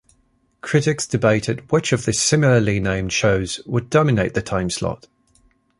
Critics debated which of the similarly named shows would dominate the time-slot.